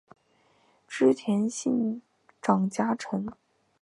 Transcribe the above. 织田信长家臣。